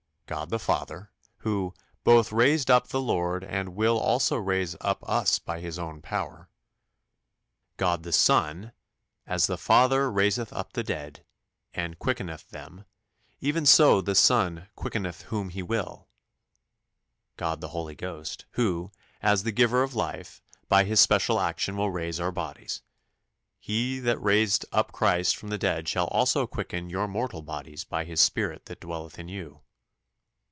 God the Father, who "both raised up the Lord, and will also raise up us by his own power": God the Son: "As the Father raiseth up the dead, and quickeneth them; even so the Son quickeneth whom he will": God the Holy Ghost, who, as the Giver of life, by His special action will raise our bodies: "He that raised up Christ from the dead shall also quicken your mortal bodies by his Spirit that dwelleth in you."